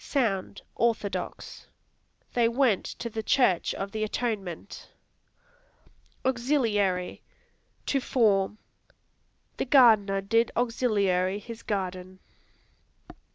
Sound, [orthodox]; "They went to the church of the Atonement." Auxiliary To form; "The gardener did auxiliary his garden."